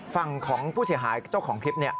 ฝั่งของผู้เสียหายเจ้าของคลิป